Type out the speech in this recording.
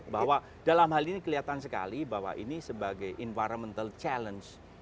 bahwa dalam hal ini kelihatan sekali bahwa ini sebagai environmental challenge